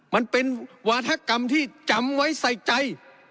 มันเป็นวาธกรรมที่จำไว้ใส่ใจ